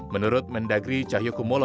menurut mendagri cahyokumolo